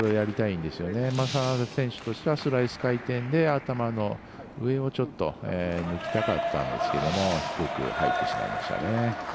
眞田選手としてはスライス回転で頭の上を抜きたかったんですけど低く入ってしまいました。